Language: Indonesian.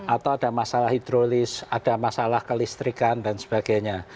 atau ada masalah hidrolis ada masalah kelistrikan dan sebagainya